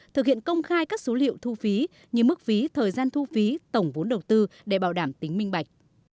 thực hiện công khai các số liệu thu phí như mức phí thời gian thu phí tổng vốn đầu tư để bảo đảm tính minh bạch